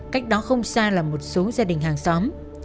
cách đó không xa là một số gia đình hàng xóm